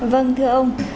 vâng thưa ông